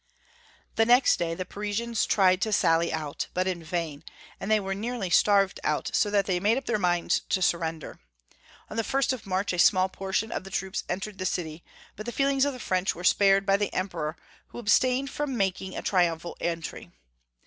The next day the Parisians tried to sally out, but in vain, and they were nearly starved out, so that they made up their minds to surrender. On the 1st of March a small portion of the troops entered the city, but the feelings of the French were spared mihelm I 473 bj the Emperor, who nbstaiiietl froni makiiig a triumphal eiitiy.